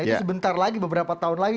itu sebentar lagi beberapa tahun lagi